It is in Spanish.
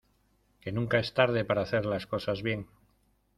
que nunca es tarde para hacer las cosas bien.